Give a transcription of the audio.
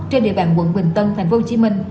trên địa bàn quận bình tân tp hcm